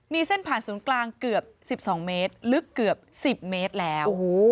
มีเส้นผ่านศูนย์กลางเกือบ๑๒เมตรลึกเกือบ๑๐เมตรแล้ว